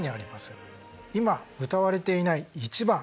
今歌われていない１番。